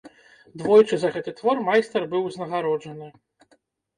Двойчы за гэты твор майстар быў узнагароджаны.